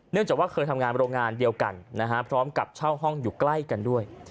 จากว่าเคยทำงานโรงงานเดียวกันนะฮะพร้อมกับเช่าห้องอยู่ใกล้กันด้วย